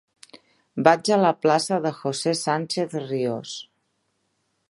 Vaig a la plaça de José Sánchez Ríos.